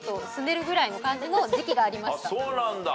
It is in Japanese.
そうなんだ。